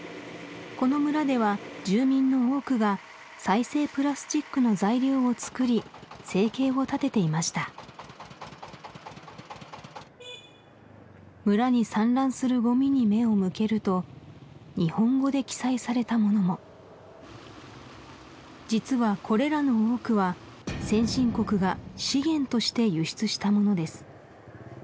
この村では住民の多くが再生プラスチックの材料を作り生計を立てていました村に散乱するごみに目を向けると日本語で記載されたものも実はこれらの多くは先進国が資源として輸出したものです